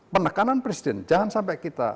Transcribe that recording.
penekanan presiden jangan sampai kita